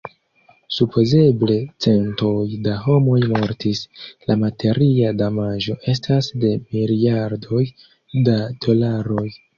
Supozeble centoj da homoj mortis; la materia damaĝo estas de miliardoj da dolaroj.